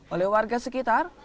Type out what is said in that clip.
oleh warga sekitar